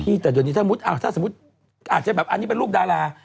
แต่เดี๋ยวนี้ถ้าสมมุติอาจจะแบบอันนี้เป็นลูกดารา